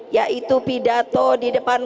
yaitu pidato di depan